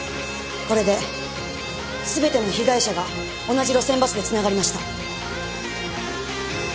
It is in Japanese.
これで全ての被害者が同じ路線バスでつながりました。